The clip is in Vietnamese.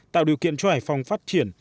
tạo điều kiện cho hải phòng phát triển